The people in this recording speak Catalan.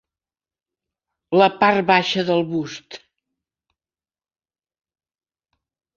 La part baixa del bust.